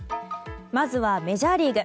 まずはメジャーリーグ。